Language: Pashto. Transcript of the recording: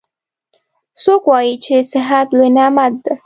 څوک وایي چې صحت لوی نعمت ده